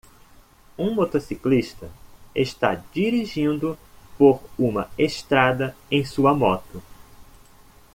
Um motociclista está dirigindo por uma estrada em sua moto.